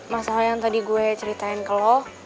masalah yang tadi gue ceritain ke lo